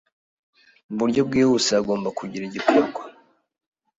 mu buryo bwihuse hagomba kugira igikorwa